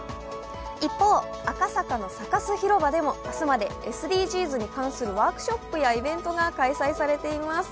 一方、赤坂のサカス広場でも明日までＳＤＧｓに関するワークショップやイベントが開催されています。